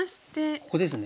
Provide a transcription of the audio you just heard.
ここですね。